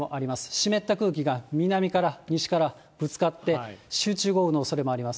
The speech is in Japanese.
湿った空気が南から西から、ぶつかって、集中豪雨のおそれもあります。